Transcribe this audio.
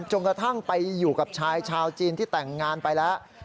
กระทั่งไปอยู่กับชายชาวจีนที่แต่งงานไปแล้ว